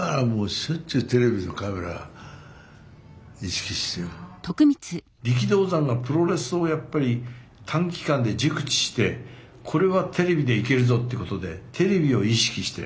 そしたら力道山のプロレスをやっぱり短期間で熟知してこれはテレビでいけるぞってことでテレビを意識して。